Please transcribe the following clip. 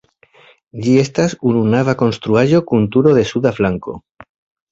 Ĝi estas ununava konstruaĵo kun turo de suda flanko.